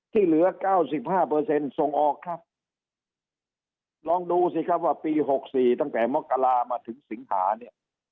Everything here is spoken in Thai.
ที่เหลือเก้าสิบห้าเปอร์เซ็นต์ส่งออกครับลองดูสิครับว่าปี๖๔ตั้งแต่มกรามาถึงสิงหาเนี่ย